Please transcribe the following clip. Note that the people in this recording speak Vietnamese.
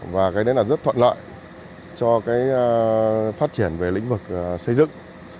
và cái đấy là rất thuận lợi cho cái phát triển về lĩnh vực xây dựng